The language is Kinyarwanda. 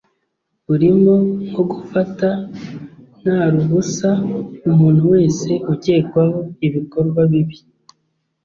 burimo nko gufata nta ruhusa umuntu wese ukekwaho ibikorwa bibi